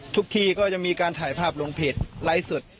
ทุกทีก็จะมีการถ่ายภาพลงเพจไลฟ์สด